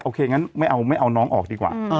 ก็เลยโอเคไงไม่เอาน้องออกดีกว่า